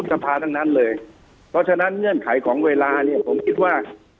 เพราะฉะนั้นเนื่องให้ของเวลาเนี่ยผมคิดว่า